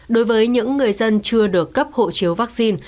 đối với những người dân chưa được cấp hộ chiếu vaccine